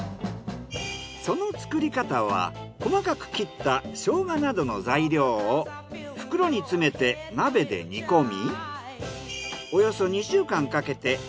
そのつくり方は細かく切ったショウガなどの材料を袋に詰めて鍋で煮込み。